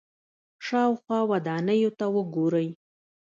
شاوخوا ودانیو ته وګورئ.